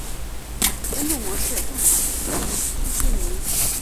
本种模式种采自于印尼。